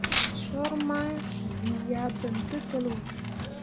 Soor mah ɓii ah bem tǝtǝlliwo.